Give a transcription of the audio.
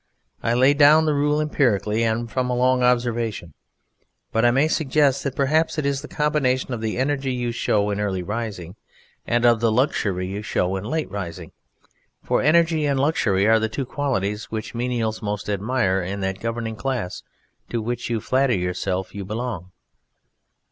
I lay down the rule empirically and from long observation, but I may suggest that perhaps it is the combination of the energy you show in early rising, and of the luxury you show in late rising: for energy and luxury are the two qualities which menials most admire in that governing class to which you flatter yourself you belong.